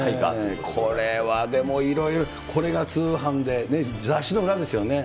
これはでも、いろいろとこれが通販で、雑誌の裏ですよね。